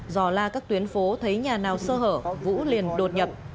giò la các tuyến phố thấy nhà nào sơ hở vũ liền đột nhập